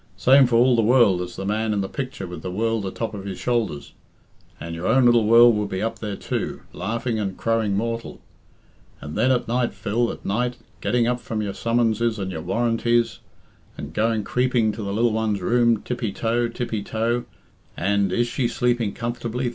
Same for all the world as the man in the picture with the world atop of his shoulders. And your own lil world would be up there, too, laughing and crowing mortal. And then at night, Phil, at night getting up from your summonses and your warrantees, and going creeping to the lil one's room tippie toe, tippie toe, and 'Is she sleeping comfor'bly?'